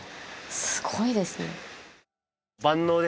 すごいですね。